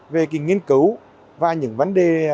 về nghiên cứu và những vấn đề